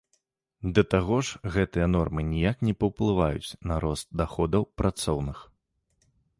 Да таго ж гэтыя нормы ніяк не паўплываюць на рост даходаў працоўных.